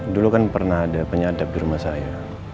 dulu kan pernah ada penyadap di rumah saya